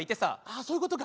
あそういうことか！